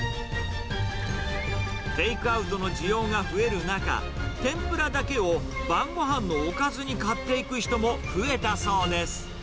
テイクアウトの需要が増える中、天ぷらだけを晩ごはんのおかずに買っていく人も増えたそうです。